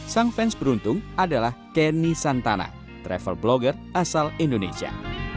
sang fans beruntung adalah kenny santana travel blogger asal indonesia